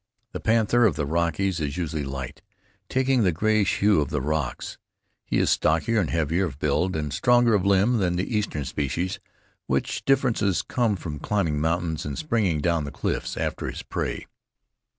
The panther of the Rockies is usually light, taking the grayish hue of the rocks. He is stockier and heavier of build, and stronger of limb than the Eastern species, which difference comes from climbing mountains and springing down the cliffs after his prey.